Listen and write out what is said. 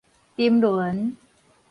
沉淪